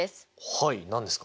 はい何ですか？